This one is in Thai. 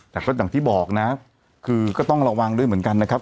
เขาบอกนะคือก็ต้องระวังด้วยเหมือนกันนะครับ